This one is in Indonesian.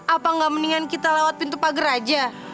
apa enggak mendingan kita lewat pintu pagera aja